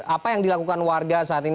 apa yang dilakukan warga saat ini